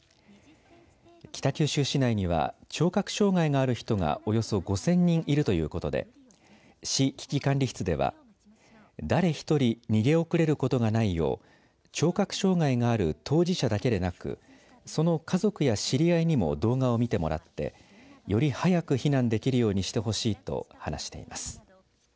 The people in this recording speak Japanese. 北九州市内には聴覚障害がある人がおよそ５０００人いるということで市危機管理室では誰１人逃げ遅れることがないよう聴覚障害がある当事者だけでなくその家族や知り合いにも動画を見てもらってより早く避難できるようにしてほしいと話しています。